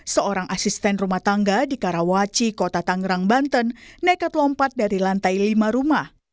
seorang asisten rumah tangga di karawaci kota tangerang banten nekat lompat dari lantai lima rumah